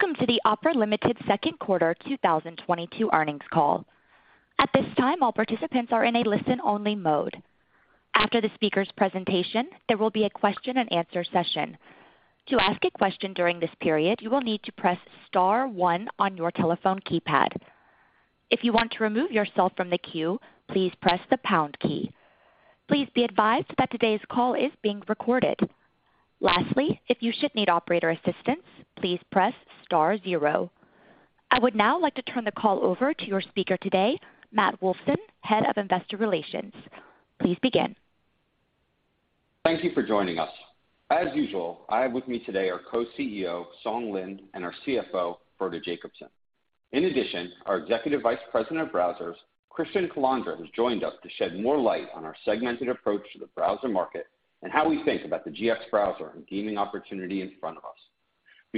Welcome to the Opera Limited second quarter 2022 earnings call. At this time, all participants are in a listen-only mode. After the speaker's presentation, there will be a question and answer session. To ask a question during this period, you will need to press star one on your telephone keypad. If you want to remove yourself from the queue, please press the pound key. Please be advised that today's call is being recorded. Lastly, if you should need operator assistance, please press star zero. I would now like to turn the call over to your speaker today, Matt Wolfson, Head of Investor Relations. Please begin. Thank you for joining us. As usual, I have with me today our Co-CEO, Song Lin, and our CFO, Frode Jacobsen. In addition, our Executive Vice President of Browsers, Krystian Kolondra, who's joined us to shed more light on our segmented approach to the browser market and how we think about the GX browser and gaming opportunity in front of us.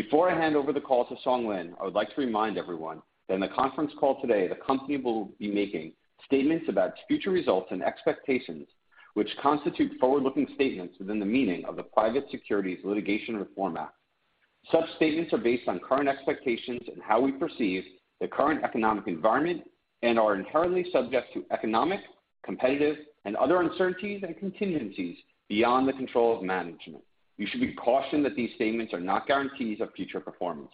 Before I hand over the call to Song Lin, I would like to remind everyone that in the conference call today, the company will be making statements about future results and expectations, which constitute forward-looking statements within the meaning of the Private Securities Litigation Reform Act. Such statements are based on current expectations and how we perceive the current economic environment and are inherently subject to economic, competitive, and other uncertainties and contingencies beyond the control of management. You should be cautioned that these statements are not guarantees of future performance.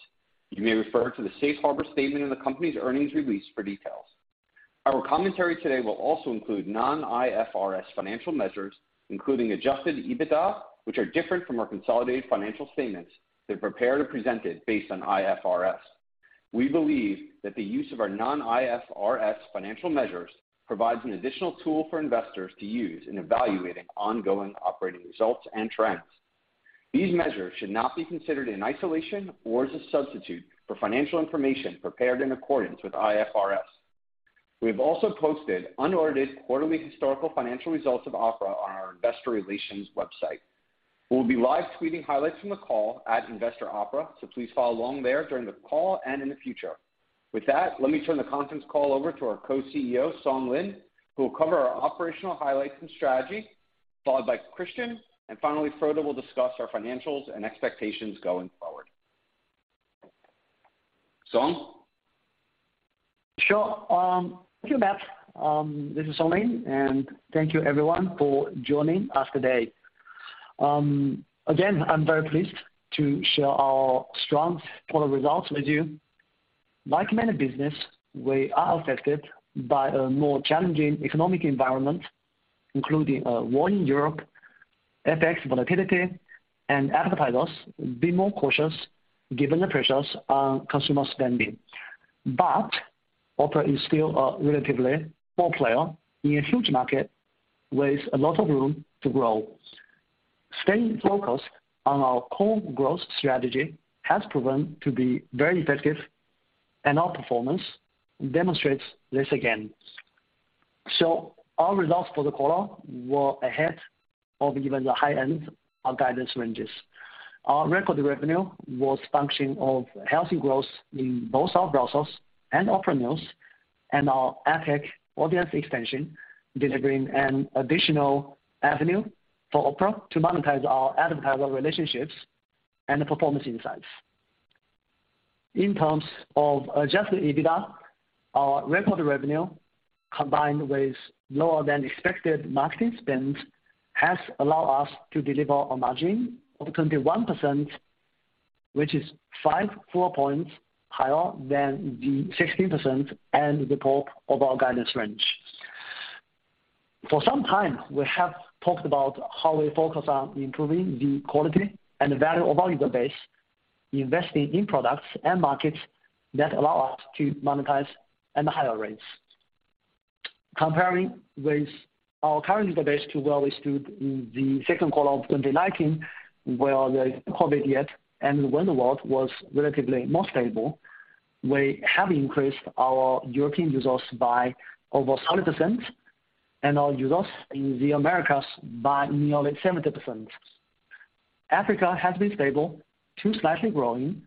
You may refer to the safe harbor statement in the company's earnings release for details. Our commentary today will also include non-IFRS financial measures, including Adjusted EBITDA, which are different from our consolidated financial statements that prepare to present it based on IFRS. We believe that the use of our non-IFRS financial measures provides an additional tool for investors to use in evaluating ongoing operating results and trends. These measures should not be considered in isolation or as a substitute for financial information prepared in accordance with IFRS. We have also posted our quarterly historical financial results of Opera on our investor relations website. We'll be live tweeting highlights from the call at Investor Opera, so please follow along there during the call and in the future. With that, let me turn the conference call over to our Co-CEO, Song Lin, who will cover our operational highlights and strategy, followed by Krystian. Finally, Frode will discuss our financials and expectations going forward. Song? Sure. Thank you, Matt. This is Lin, and thank you everyone for joining us today. Again, I'm very pleased to share our strong quarter results with you. Like many business, we are affected by a more challenging economic environment, including war in Europe, FX volatility, and advertisers being more cautious given the pressures on consumer spending. Opera is still a relatively pure player in a huge market with a lot of room to grow. Staying focused on our core growth strategy has proven to be very effective, and our performance demonstrates this again. Our results for the quarter were ahead of even the high end of guidance ranges. Our record revenue was a function of healthy growth in both our browsers and Opera News and our APAC audience expansion, delivering an additional avenue for Opera to monetize our advertiser relationships and the performance insights. In terms of Adjusted EBITDA, our reported revenue, combined with lower than expected marketing spend, has allowed us to deliver a margin of 21%, which is 5 percentage points higher than the 16% low end of our guidance range. For some time, we have talked about how we focus on improving the quality and value of our user base, investing in products and markets that allow us to monetize at higher rates. Comparing with our current user base to where we stood in the second quarter of 2019, where the COVID hit and when the world was relatively more stable, we have increased our European users by over 30% and our users in the Americas by nearly 70%. Africa has been stable, also slightly growing,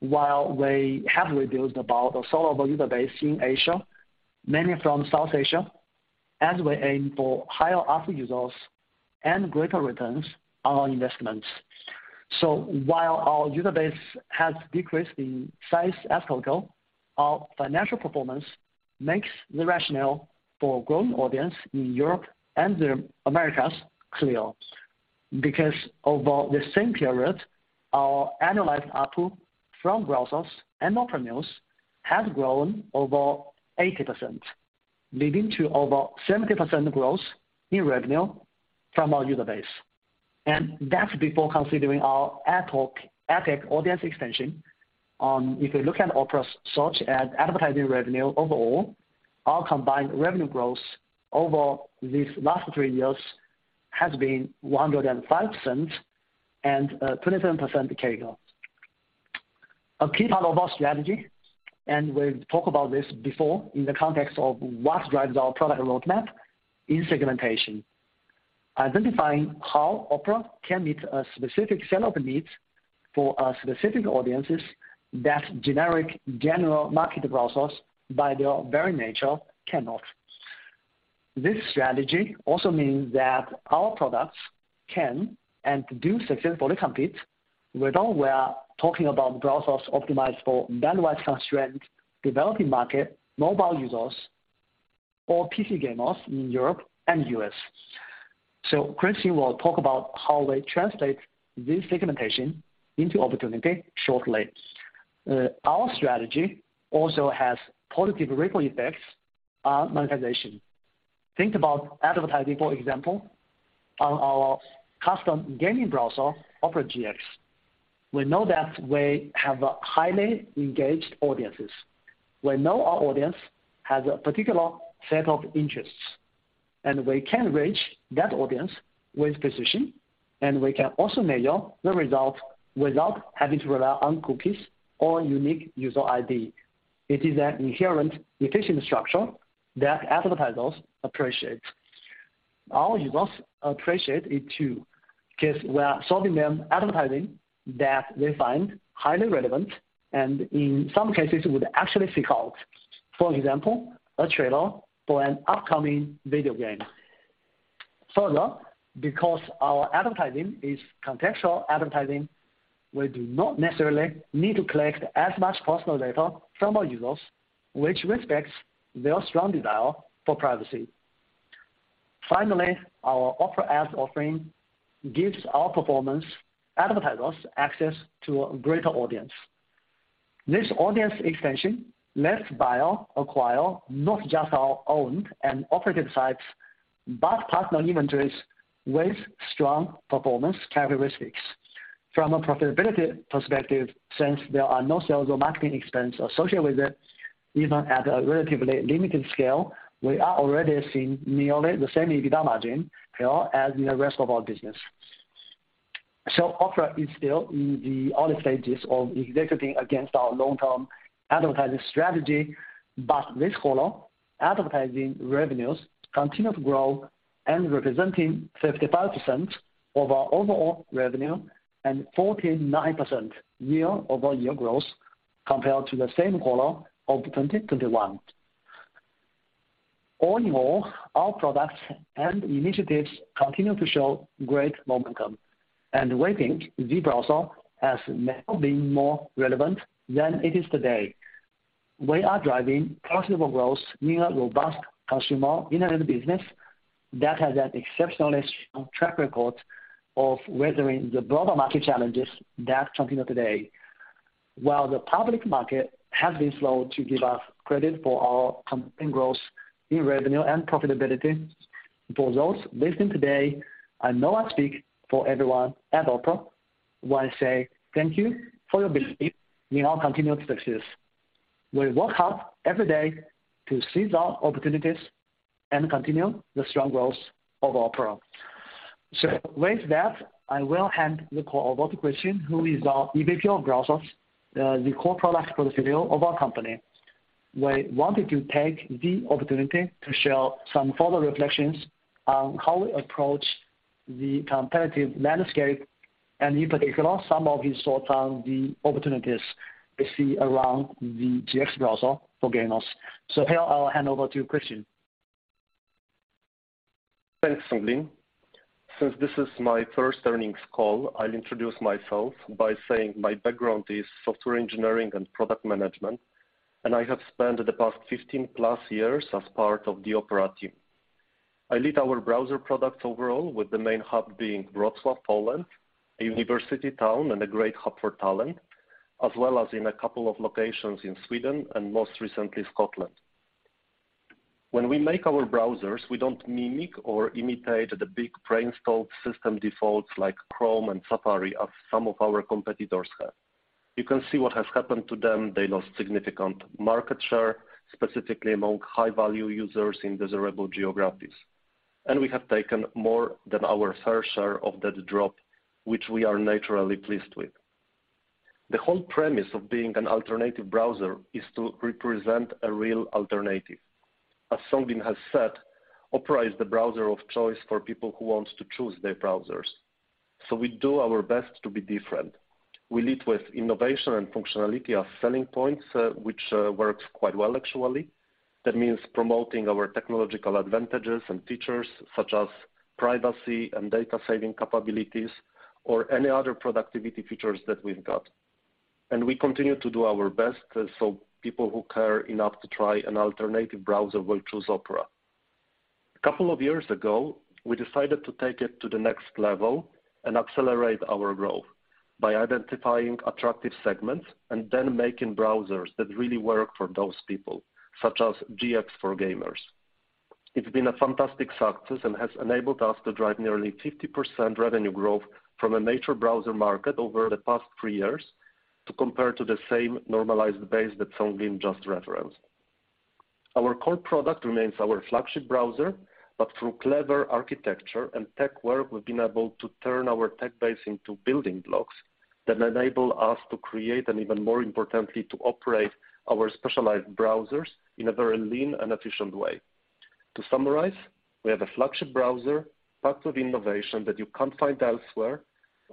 while we have rebuilt a sizable user base in Asia, mainly from South Asia, as we aim for higher ARPU users and greater returns on our investments. While our user base has decreased in size as a whole, our financial performance makes the rationale for growing audience in Europe and the Americas clear. Because over the same period, our annualized ARPU from browsers and Opera News has grown over 80%, leading to over 70% growth in revenue from our user base. That's before considering our APAC audience expansion. If you look at Opera's, such as advertising revenue overall, our combined revenue growth over these last three years has been 105% and 27% CAGR. A key part of our strategy, and we've talked about this before in the context of what drives our product roadmap in segmentation, identifying how Opera can meet a specific set of needs for a specific audiences that generic general market browsers, by their very nature, cannot. This strategy also means that our products can and do successfully compete where now we're talking about browsers optimized for bandwidth constraint, developing market, mobile users or PC gamers in Europe and U.S. Krystian will talk about how they translate this segmentation into opportunity shortly. Our strategy also has positive ripple effects on monetization. Think about advertising, for example, on our custom gaming browser, Opera GX. We know that we have highly engaged audiences. We know our audience has a particular set of interests, and we can reach that audience with precision, and we can also measure the result without having to rely on cookies or unique user ID. It is an inherent efficient structure that advertisers appreciate. Our users appreciate it too, 'cause we're showing them advertising that they find highly relevant and in some cases would actually seek out, for example, a trailer for an upcoming video game. Further, because our advertising is contextual advertising, we do not necessarily need to collect as much personal data from our users, which respects their strong desire for privacy. Finally, our Opera Ads offering gives our performance advertisers access to a greater audience. This audience expansion lets buyers acquire not just our owned and operated sites, but partner inventories with strong performance characteristics. From a profitability perspective, since there are no sales or marketing expense associated with it, even at a relatively limited scale, we are already seeing nearly the same EBITDA margin here as in the rest of our business. Opera is still in the early stages of executing against our long-term advertising strategy, but this quarter, advertising revenues continued to grow and representing 55% of our overall revenue and 49% year-over-year growth compared to the same quarter of 2021. All in all, our products and initiatives continue to show great momentum, and we think the browser has never been more relevant than it is today. We are driving profitable growth in a robust consumer internet business that has an exceptionally strong track record of weathering the broader market challenges that continue today. While the public market has been slow to give us credit for our continued growth in revenue and profitability, for those listening today, I know I speak for everyone at Opera when I say thank you for your belief in our continued success. We work hard every day to seize our opportunities and continue the strong growth of Opera. With that, I will hand the call over to Krystian, who is our EVP of browsers, the core product portfolio of our company. We wanted to take the opportunity to share some further reflections on how we approach the competitive landscape and in particular, some of his thoughts on the opportunities we see around the GX browser for gamers. Here, I'll hand over to you, Krystian. Thanks, Song Lin. Since this is my first earnings call, I'll introduce myself by saying my background is software engineering and product management, and I have spent the past 15+ years as part of the Opera team. I lead our browser products overall, with the main hub being Wrocław, Poland, a university town and a great hub for talent, as well as in a couple of locations in Sweden and most recently, Scotland. When we make our browsers, we don't mimic or imitate the big preinstalled system defaults like Chrome and Safari as some of our competitors have. You can see what has happened to them. They lost significant market share, specifically among high value users in desirable geographies. We have taken more than our fair share of that drop, which we are naturally pleased with. The whole premise of being an alternative browser is to represent a real alternative. As Song Lin has said, Opera is the browser of choice for people who want to choose their browsers. We do our best to be different. We lead with innovation and functionality as selling points, which works quite well actually. That means promoting our technological advantages and features such as privacy and data saving capabilities or any other productivity features that we've got. We continue to do our best so people who care enough to try an alternative browser will choose Opera. A couple of years ago, we decided to take it to the next level and accelerate our growth by identifying attractive segments and then making browsers that really work for those people, such as GX for gamers. It's been a fantastic success and has enabled us to drive nearly 50% revenue growth from a major browser market over the past three years to compare to the same normalized base that Song Lin just referenced. Our core product remains our flagship browser, but through clever architecture and tech work, we've been able to turn our tech base into building blocks that enable us to create, and even more importantly, to operate our specialized browsers in a very lean and efficient way. To summarize, we have a flagship browser packed with innovation that you can't find elsewhere.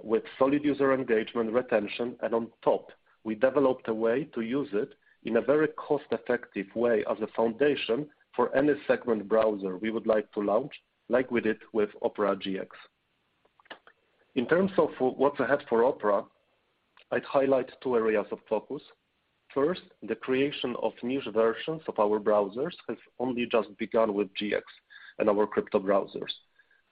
With solid user engagement, retention, and on top, we developed a way to use it in a very cost-effective way as a foundation for any segment browser we would like to launch, like we did with Opera GX. In terms of what's ahead for Opera, I'd highlight two areas of focus. First, the creation of new versions of our browsers has only just begun with GX and our crypto browsers.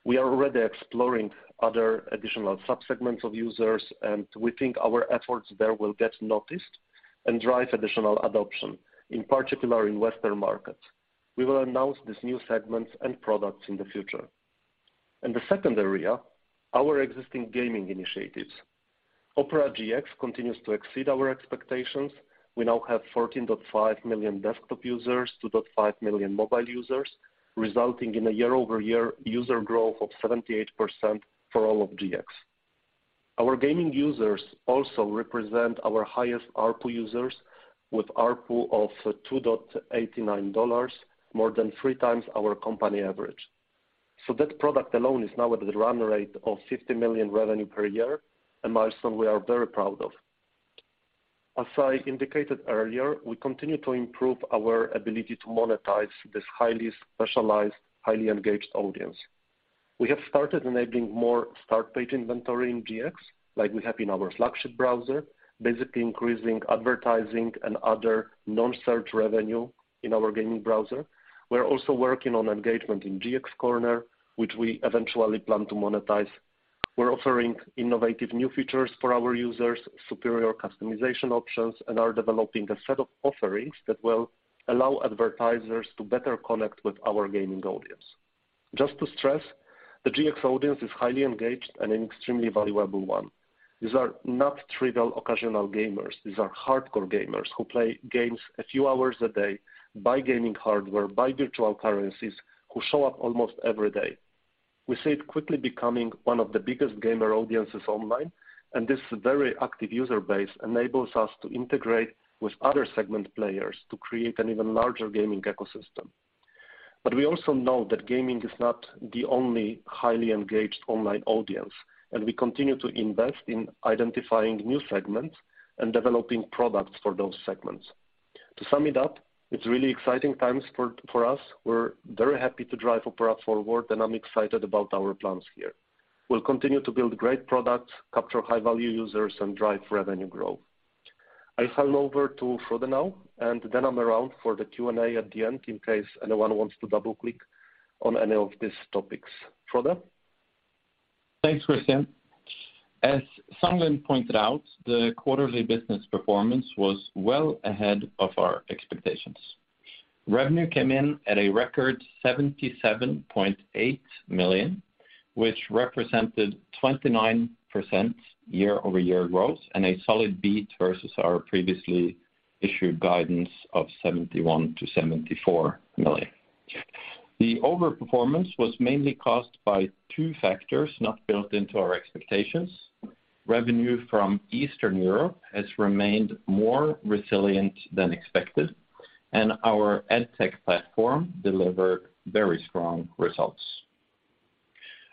We are already exploring other additional subsegments of users, and we think our efforts there will get noticed and drive additional adoption, in particular in Western markets. We will announce these new segments and products in the future. The second area, our existing gaming initiatives. Opera GX continues to exceed our expectations. We now have 14.5 million desktop users, 2.5 million mobile users, resulting in a year-over-year user growth of 78% for all of GX. Our gaming users also represent our highest ARPU users with ARPU of $2.89, more than three times our company average. So that product alone is now at a run rate of $50 million revenue per year, a milestone we are very proud of. As I indicated earlier, we continue to improve our ability to monetize this highly specialized, highly engaged audience. We have started enabling more start page inventory in GX, like we have in our flagship browser, basically increasing advertising and other non-search revenue in our gaming browser. We're also working on engagement in GX Corner, which we eventually plan to monetize. We're offering innovative new features for our users, superior customization options, and are developing a set of offerings that will allow advertisers to better connect with our gaming audience. Just to stress, the GX audience is highly engaged and an extremely valuable one. These are not trivial occasional gamers. These are hardcore gamers who play games a few hours a day, buy gaming hardware, buy virtual currencies, who show up almost every day. We see it quickly becoming one of the biggest gamer audiences online, and this very active user base enables us to integrate with other segment players to create an even larger gaming ecosystem. We also know that gaming is not the only highly engaged online audience, and we continue to invest in identifying new segments and developing products for those segments. To sum it up, it's really exciting times for us. We're very happy to drive Opera forward, and I'm excited about our plans here. We'll continue to build great products, capture high-value users, and drive revenue growth. I hand over to Frode now, and then I'm around for the Q&A at the end in case anyone wants to double-click on any of these topics. Frode? Thanks, Krystian. As Song Lin pointed out, the quarterly business performance was well ahead of our expectations. Revenue came in at a record $77.8 million, which represented 29% year-over-year growth and a solid beat versus our previously issued guidance of $71 million-$74 million. The overperformance was mainly caused by two factors not built into our expectations. Revenue from Eastern Europe has remained more resilient than expected, and our AdTech platform delivered very strong results.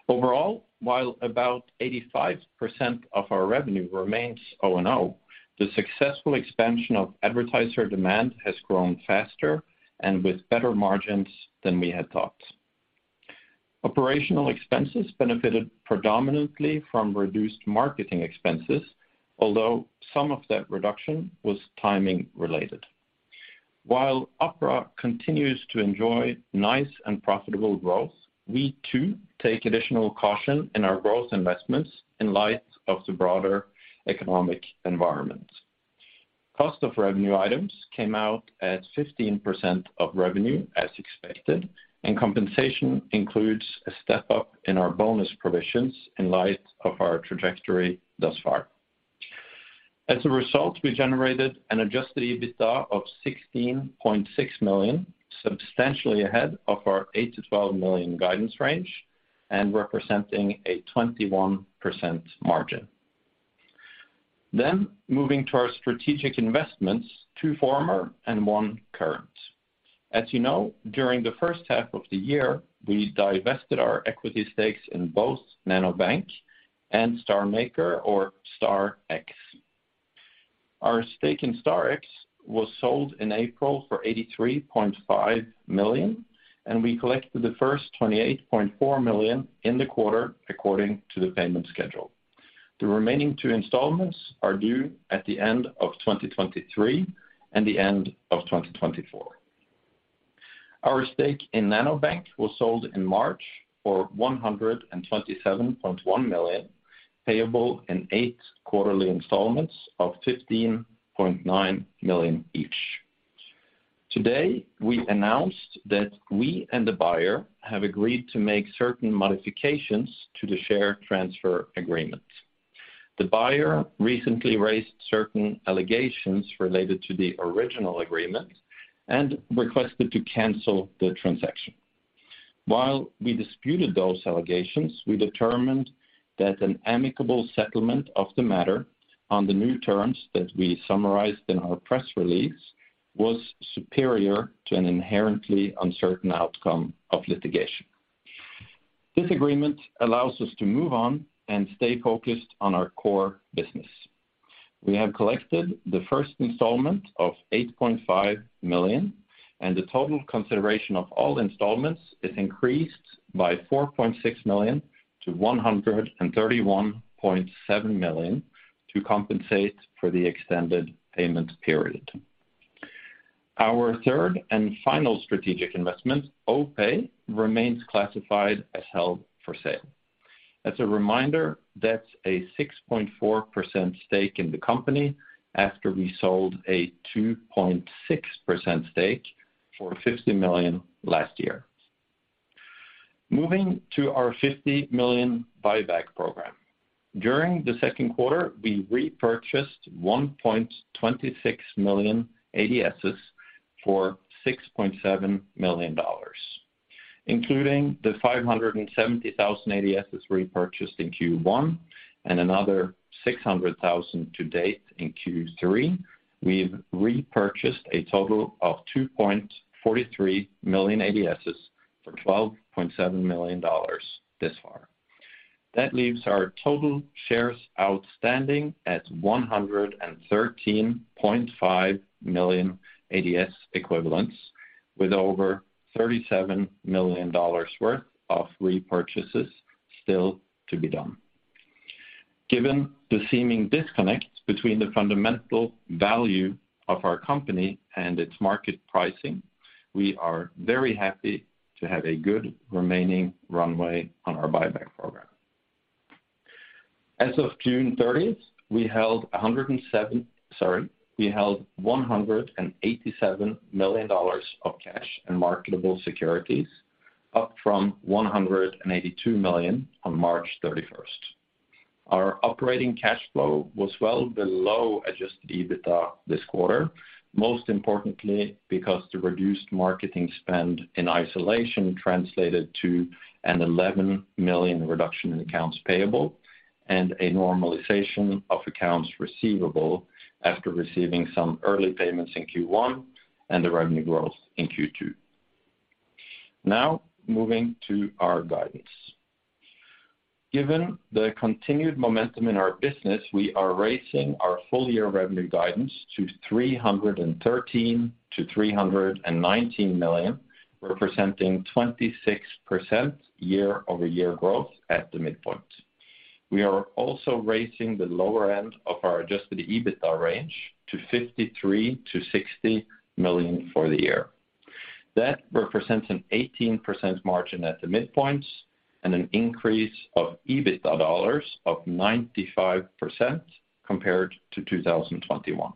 Overall, while about 85% of our revenue remains O&O, the successful expansion of advertiser demand has grown faster and with better margins than we had thought. Operational expenses benefited predominantly from reduced marketing expenses, although some of that reduction was timing related. While Opera continues to enjoy nice and profitable growth, we too take additional caution in our growth investments in light of the broader economic environment. Cost of revenue items came out at 15% of revenue, as expected, and compensation includes a step-up in our bonus provisions in light of our trajectory thus far. As a result, we generated an Adjusted EBITDA of $16.6 million, substantially ahead of our $8 million-$12 million guidance range and representing a 21% margin. Moving to our strategic investments, two former and one current. As you know, during the first half of the year, we divested our equity stakes in both Nanobank and StarMaker or Star X. Our stake in Star X was sold in April for $83.5 million, and we collected the first $28.4 million in the quarter according to the payment schedule. The remaining two installments are due at the end of 2023 and the end of 2024. Our stake in Nanobank was sold in March for $127.1 million, payable in eight quarterly installments of $15.9 million each. Today, we announced that we and the buyer have agreed to make certain modifications to the share transfer agreement. The buyer recently raised certain allegations related to the original agreement and requested to cancel the transaction. While we disputed those allegations, we determined that an amicable settlement of the matter on the new terms that we summarized in our press release was superior to an inherently uncertain outcome of litigation. This agreement allows us to move on and stay focused on our core business. We have collected the first installment of $8.5 million, and the total consideration of all installments is increased by $4.6 million-$131.7 million to compensate for the extended payment period. Our third and final strategic investment, OPay, remains classified as held for sale. As a reminder, that's a 6.4% stake in the company after we sold a 2.6% stake for $50 million last year. Moving to our $50 million buyback program. During the second quarter, we repurchased 1.26 million ADSs for $6.7 million, including the 570,000 ADSs repurchased in Q1 and another 600,000 to date in Q3. We've repurchased a total of 2.43 million ADSs for $12.7 million thus far. That leaves our total shares outstanding at 113.5 million ADS equivalents, with over $37 million worth of repurchases still to be done. Given the seeming disconnect between the fundamental value of our company and its market pricing, we are very happy to have a good remaining runway on our buyback program. As of June 30th, we held $187 million of cash and marketable securities, up from $182 million on March 31st. Our operating cash flow was well below Adjusted EBITDA this quarter, most importantly because the reduced marketing spend in isolation translated to an $11 million reduction in accounts payable and a normalization of accounts receivable after receiving some early payments in Q1 and the revenue growth in Q2. Now, moving to our guidance. Given the continued momentum in our business, we are raising our full-year revenue guidance to $313 million-$319 million, representing 26% year-over-year growth at the midpoint. We are also raising the lower end of our Adjusted EBITDA range to $53 million-$60 million for the year. That represents an 18% margin at the midpoint and an increase of EBITDA dollars of 95% compared to 2021.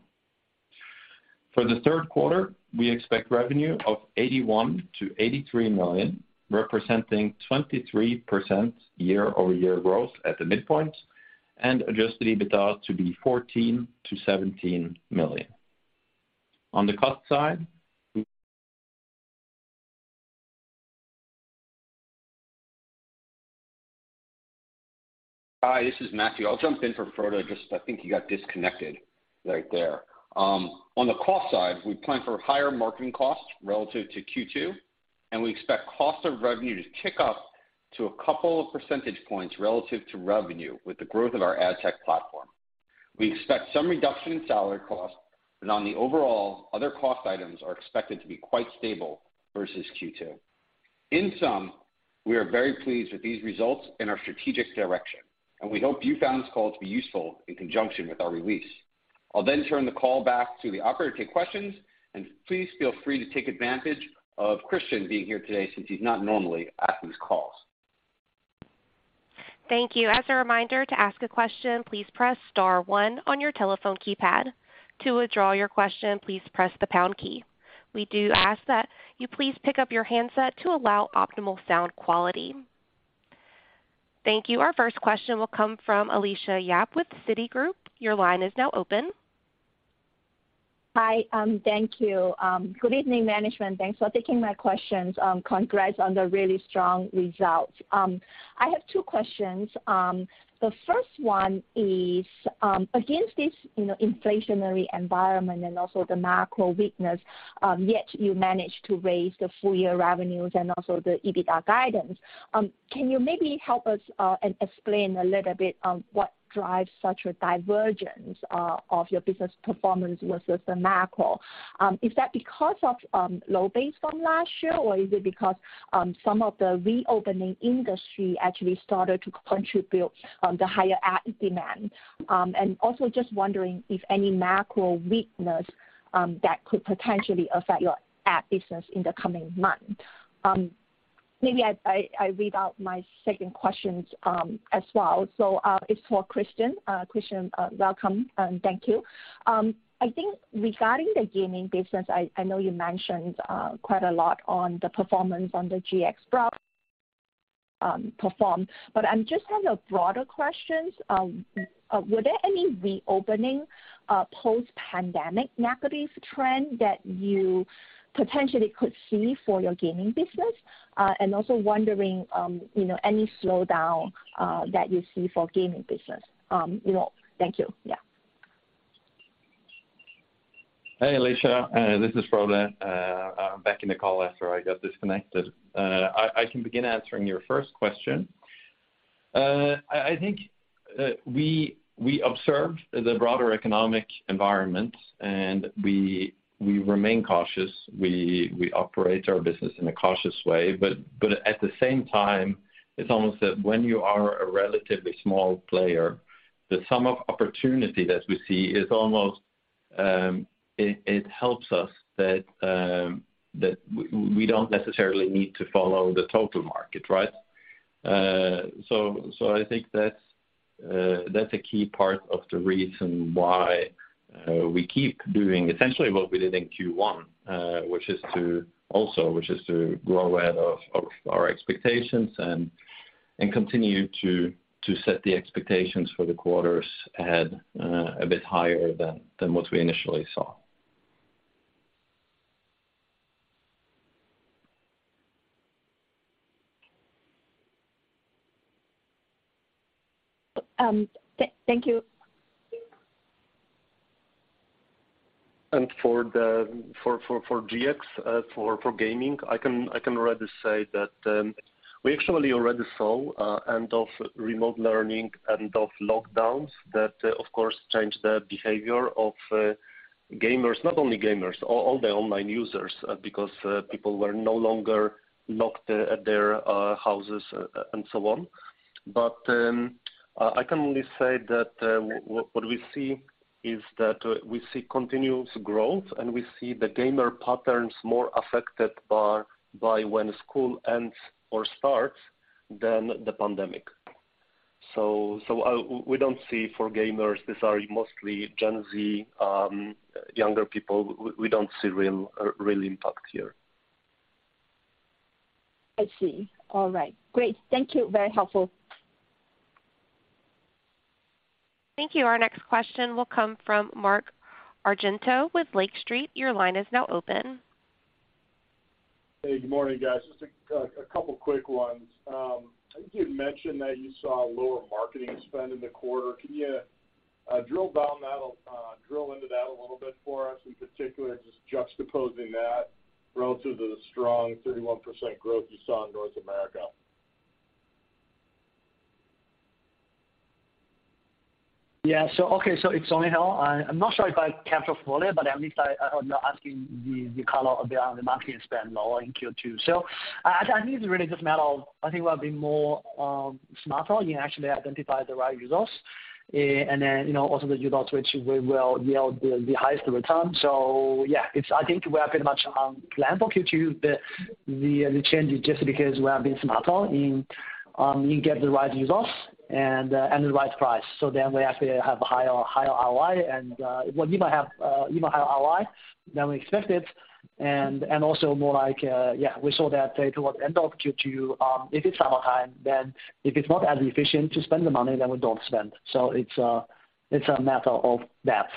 For the third quarter, we expect revenue of $81 million-$83 million, representing 23% year-over-year growth at the midpoint, and Adjusted EBITDA to be $14 million-$17 million. On the cost side, we- Hi, this is Matthew. I'll jump in for Frode. I think he got disconnected right there. On the cost side, we plan for higher marketing costs relative to Q2, and we expect cost of revenue to tick up to a couple of percentage points relative to revenue with the growth of our ad tech platform. We expect some reduction in salary costs, but overall, other cost items are expected to be quite stable versus Q2. In sum, we are very pleased with these results and our strategic direction, and we hope you found this call to be useful in conjunction with our release. I'll then turn the call back to the operator to take questions, and please feel free to take advantage of Krystian being here today since he's not normally at these calls. Thank you. As a reminder, to ask a question, please press star one on your telephone keypad. To withdraw your question, please press the pound key. We do ask that you please pick up your handset to allow optimal sound quality. Thank you. Our first question will come from Alicia Yap with Citigroup. Your line is now open. Hi. Thank you. Good evening, management. Thanks for taking my questions. Congrats on the really strong results. I have two questions. The first one is, against this, you know, inflationary environment and also the macro weakness, yet you managed to raise the full-year revenues and also the EBITDA guidance. Can you maybe help us and explain a little bit on what drives such a divergence of your business performance versus the macro? Is that because of low base from last year, or is it because some of the reopening industry actually started to contribute the higher ad demand? Also just wondering if any macro weakness that could potentially affect your ad business in the coming months. Maybe I read out my second questions as well. It's for Krystian. Krystian, welcome, and thank you. I think regarding the gaming business, I know you mentioned quite a lot on the performance on the Opera GX, but just as a broader questions, were there any reopening post-pandemic negative trend that you potentially could see for your gaming business? And also wondering, you know, any slowdown that you see for gaming business. You know. Thank you. Yeah. Hey, Alicia, this is Frode. I'm back in the call after I got disconnected. I can begin answering your first question. I think we observed the broader economic environment, and we remain cautious. We operate our business in a cautious way. At the same time, it's almost that when you are a relatively small player, the sum of opportunity that we see is almost, it helps us that we don't necessarily need to follow the total market, right? I think that's a key part of the reason why we keep doing essentially what we did in Q1, which is to grow ahead of our expectations and continue to set the expectations for the quarters ahead a bit higher than what we initially saw. Thank you. For GX, for gaming, I can already say that we actually already saw end of remote learning and of lockdowns that, of course, changed the behavior of gamers, not only gamers, all the online users, because people were no longer locked at their houses and so on. I can only say that what we see is that we see continuous growth, and we see the gamer patterns more affected by when school ends or starts than the pandemic. We don't see for gamers, these are mostly Gen Z, younger people. We don't see real impact here. I see. All right. Great. Thank you. Very helpful. Thank you. Our next question will come from Mark Argento with Lake Street. Your line is now open. Hey, good morning, guys. Just a couple quick ones. I think you'd mentioned that you saw lower marketing spend in the quarter. Can you drill into that a little bit for us, in particular, just juxtaposing that relative to the strong 31% growth you saw in North America? Yeah. Okay, it's Song Lin. I'm not sure if I capture fully, but at least I know you're asking the color on the marketing spend lower in Q2. I think it's really just matter of. I think we have been smarter in actually identifying the right results. And then, you know, also the results which will yield the highest return. Yeah. I think we are pretty much on plan for Q2. The change is just because we have been smarter in getting the right results and the right price. We actually have a higher ROI and even higher ROI than we expected and also more like we saw that toward end of Q2. If it's summertime, then if it's not as efficient to spend the money, then we don't spend. It's a matter of that.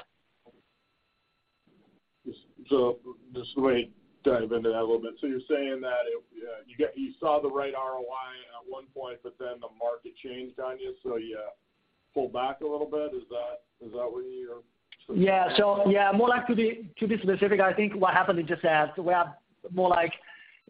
Just let me dive into that a little bit. You're saying that it, you saw the right ROI at one point, but then the market changed on you, so you pulled back a little bit. Is that what you're saying? Yeah. Yeah, more like to be specific, I think what happened is just that we have more like,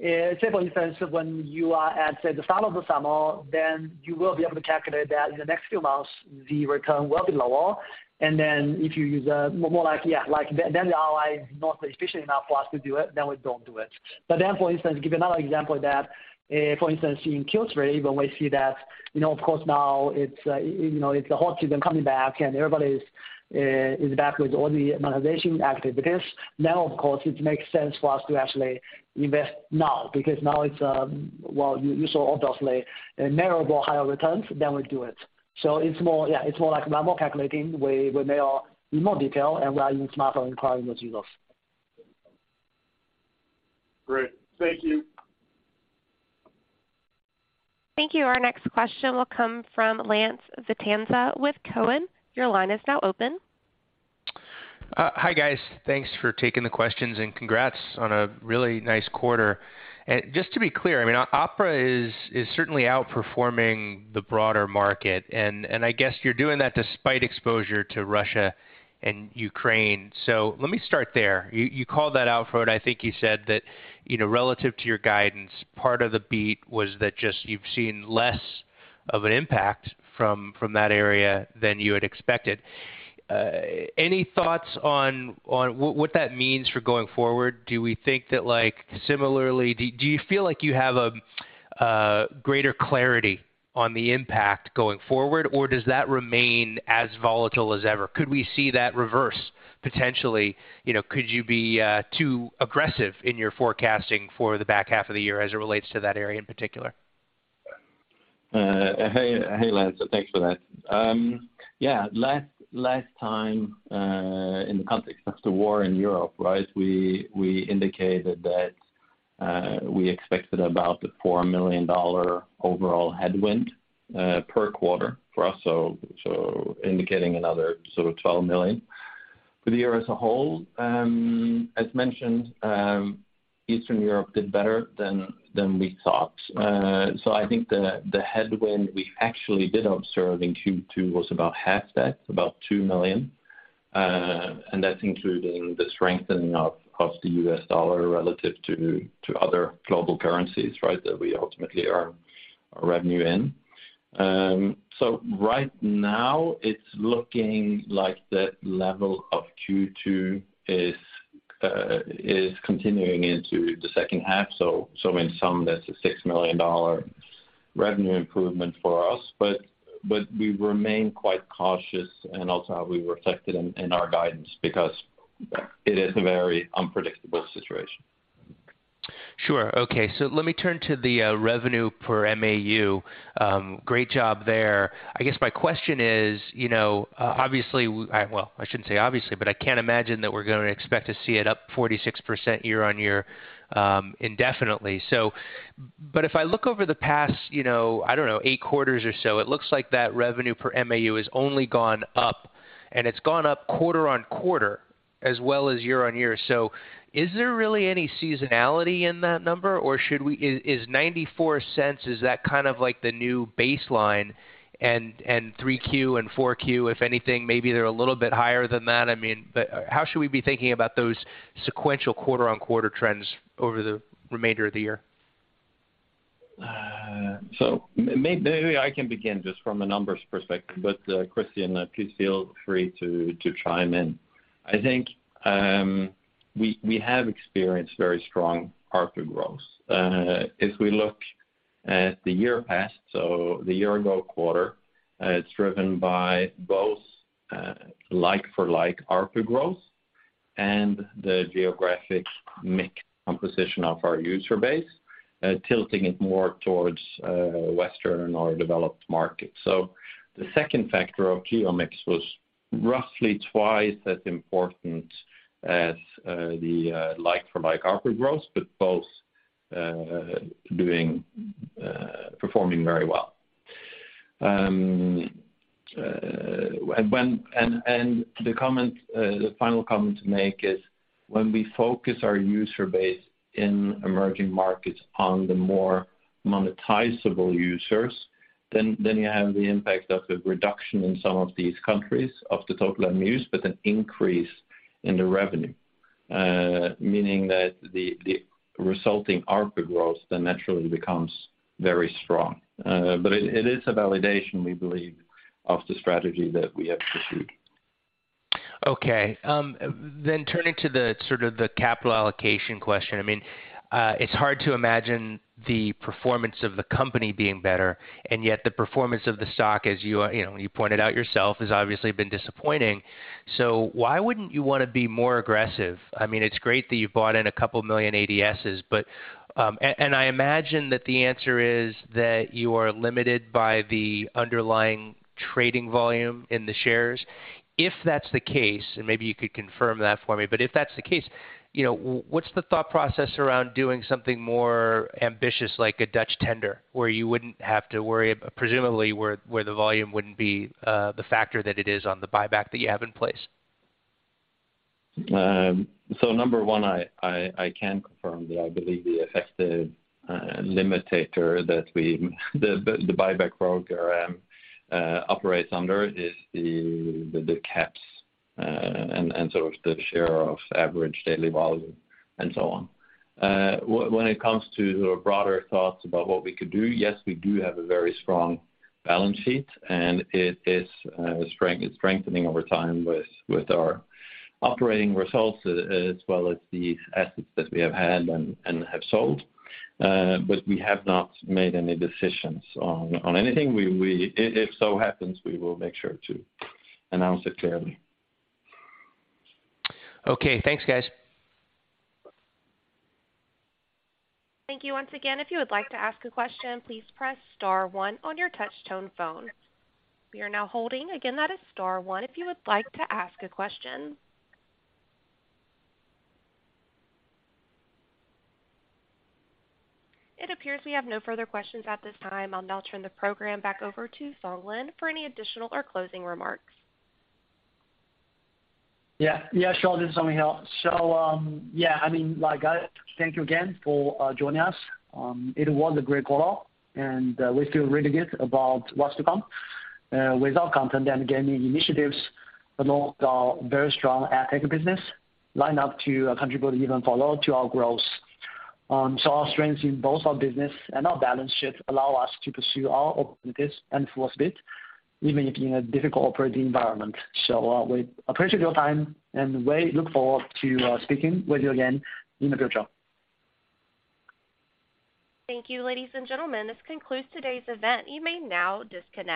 say for instance, when you are at, say, the start of the summer, then you will be able to calculate that in the next few months, the return will be lower. If you use more like, yeah, like, then the ROI is not efficient enough for us to do it, then we don't do it. For instance, give another example that, for instance, in Q3, when we see that, you know, of course now it's, you know, it's the whole season coming back and everybody is back with all the monetization activities. Now, of course, it makes sense for us to actually invest now because now it's well, you saw obviously measurable higher returns than we do it. It's more, yeah, it's more like now we're calculating ROI with more detail and we are even smarter in acquiring those results. Great. Thank you. Thank you. Our next question will come from Lance Vitanza with Cowen. Your line is now open. Hi, guys. Thanks for taking the questions, and congrats on a really nice quarter. Just to be clear, I mean, Opera is certainly outperforming the broader market, and I guess you're doing that despite exposure to Russia and Ukraine. Let me start there. You called that out, Frode. I think you said that, you know, relative to your guidance, part of the beat was that just you've seen less of an impact from that area than you had expected. Any thoughts on what that means for going forward? Do you feel like you have a greater clarity on the impact going forward, or does that remain as volatile as ever? Could we see that reverse potentially? You know, could you be too aggressive in your forecasting for the back half of the year as it relates to that area in particular? Hey, Lance. Thanks for that. Yeah, last time, in the context of the war in Europe, right, we indicated that we expected about a $4 million overall headwind per quarter for us, indicating another sort of $12 million for the year as a whole. As mentioned, Eastern Europe did better than we thought. I think the headwind we actually did observe in Q2 was about half that, about $2 million. That's including the strengthening of the U.S. dollar relative to other global currencies, right? That we ultimately earn our revenue in. Right now it's looking like the level of Q2 is continuing into the second half. In sum that's a $6 million revenue improvement for us. We remain quite cautious and also how we reflected in our guidance because it is a very unpredictable situation. Sure. Okay, so let me turn to the revenue per MAU. Great job there. I guess my question is, you know, obviously, well, I shouldn't say obviously, but I can't imagine that we're gonna expect to see it up 46% year-on-year indefinitely. But if I look over the past, you know, I don't know, eight quarters or so, it looks like that revenue per MAU has only gone up, and it's gone up quarter-on-quarter as well as year-on-year. Is there really any seasonality in that number or should we? Is $0.94 kind of like the new baseline and 3Q and 4Q, if anything, maybe they're a little bit higher than that? I mean, how should we be thinking about those sequential quarter-over-quarter trends over the remainder of the year? Maybe I can begin just from a numbers perspective, but, Krystian, please feel free to chime in. I think, we have experienced very strong ARPU growth. If we look at the year past, the year ago quarter, it's driven by both, like for like ARPU growth and the geographic mix composition of our user base, tilting it more towards Western or developed markets. The second factor of geo mix was roughly twice as important as like for like ARPU growth, but both performing very well. The final comment to make is when we focus our user base in emerging markets on the more monetizable users, then you have the impact of the reduction in some of these countries of the total MAUs, but an increase in the revenue. Meaning that the resulting ARPU growth then naturally becomes very strong. It is a validation, we believe, of the strategy that we have pursued. Turning to the sort of the capital allocation question. I mean, it's hard to imagine the performance of the company being better, and yet the performance of the stock, as you know, you pointed out yourself, has obviously been disappointing. Why wouldn't you wanna be more aggressive? I mean, it's great that you've bought back a couple million ADSs, but and I imagine that the answer is that you are limited by the underlying trading volume in the shares. If that's the case, and maybe you could confirm that for me, but if that's the case, you know, what's the thought process around doing something more ambitious like a Dutch tender where you wouldn't have to worry, presumably where the volume wouldn't be the factor that it is on the buyback that you have in place? Number one, I can confirm that I believe the buyback program operates under is the caps and sort of the share of average daily volume and so on. When it comes to sort of broader thoughts about what we could do, yes, we do have a very strong balance sheet, and it is strengthening over time with our operating results as well as the assets that we have had and have sold. But we have not made any decisions on anything. We if so happens, we will make sure to announce it clearly. Okay. Thanks, guys. Thank you once again. If you would like to ask a question, please press star one on your touch tone phone. We are now holding. Again, that is star one if you would like to ask a question. It appears we have no further questions at this time. I'll now turn the program back over to Song Lin for any additional or closing remarks. Yeah, sure. This is Song Lin here. Yeah, I mean, like, thank you again for joining us. It was a great quarter, and we feel really good about what's to come. With our content and gaming initiatives along our very strong ad tech business lineup to contribute even more fully to our growth. Our strengths in both our business and our balance sheet allow us to pursue our opportunities at full speed, even in a difficult operating environment. We appreciate your time and we look forward to speaking with you again in the future. Thank you, ladies and gentlemen. This concludes today's event. You may now disconnect.